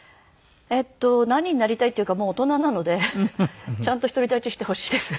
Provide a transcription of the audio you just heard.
えっと何になりたいっていうかもう大人なのでちゃんと独り立ちしてほしいです。